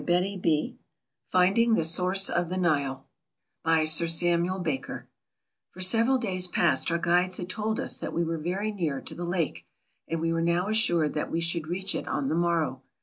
AFRICA Finding the Source of the Nile By SIR SAMUEL BAKER FOR several days past our guides had told us that we were very near to the lake, and we were now assured that we should reach it on the morrow.